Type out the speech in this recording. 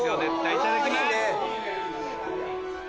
いただきます！